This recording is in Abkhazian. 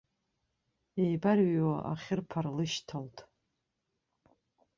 Иеибарыҩа ахьырԥар лышьҭалт.